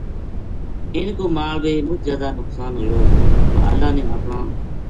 اِنھ کو مال بے مُچ زیادہ نقصان ہویو با اللہ نے اپنا